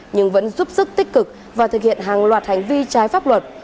nhưng vẫn giúp sức tích cực và thực hiện hàng loạt hành vi trái pháp luật